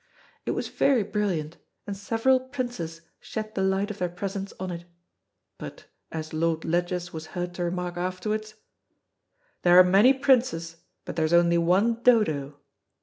It was very brilliant, and several princes shed the light of their presence on it. But, as Lord Ledgers was heard to remark afterwards, "There are many princes, but there is only one Dodo."